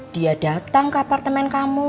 dia datang ke apartemen kamu